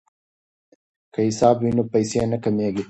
که حساب وي نو پیسې نه کمیږي.